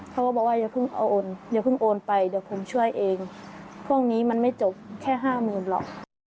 เขาบอกว่าอย่าเพิ่งโอนตังค์ไปเดี๋ยวผมช่วยเองพวกนี้มันไม่จบแค่๕หมื่นหรอก